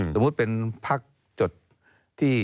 สมมุติเป็นพักจดที่